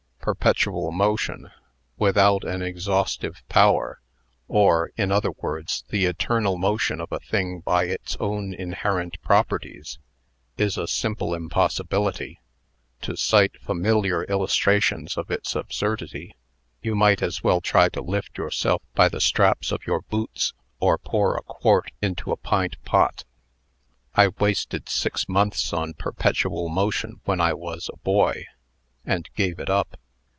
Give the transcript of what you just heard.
Perpetual motion, without an exhaustive power or, in other words, the eternal motion of a thing by its own inherent properties is a simple impossibility. To cite familiar illustrations of its absurdity, you might as well try to lift yourself by the straps of your boots, or pour a quart into a pint pot. I wasted six months on perpetual motion when I was a boy, and gave it up.